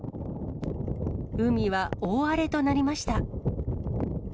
海は大荒れとなりました。